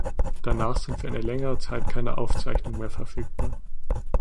Danach sind für eine längere Zeit keine Aufzeichnungen mehr Verfügbar.